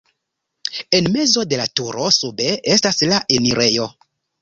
En mezo de la turo sube estas la enirejo.